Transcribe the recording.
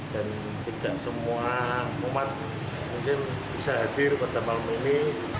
dan tidak semua umat mungkin bisa hadir pada malam ini